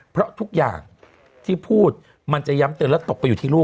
เพราะทุกอย่างที่พูดมันจะย้ำเตือนแล้วตกไปอยู่ที่ลูก